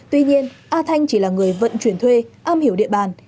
tuy nhiên a thanh chỉ là người vận chuyển thuê am hiểu địa bàn